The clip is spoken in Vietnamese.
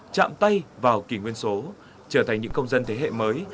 chạm tay vào kỳ nguyên số trở thành những công dân thế hệ mới